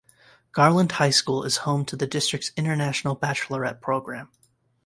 Garland High School is home to the district's international baccalaureate program.